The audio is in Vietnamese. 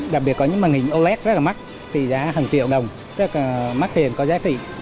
đặc biệt có những màn hình oled rất là mắc thì giá hàng triệu đồng rất là mắc tiền có giá trị